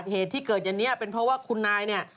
เหตุที่เกิดอย่างนี้เป็นเพราะว่าคุณนายเนี่ย